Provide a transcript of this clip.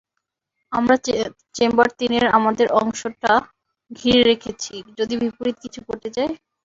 আমরা চেম্বার তিনের আমাদের অংশটা ঘিরে রেখেছি, যদি বিপরীত কিছু ঘটে যায়।